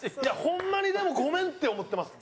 ホンマにでもごめんって思ってます。